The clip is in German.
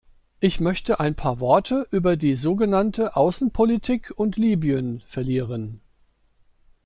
Ich möchte ein paar Worte über die so genannte Außenpolitik und Libyen verlieren.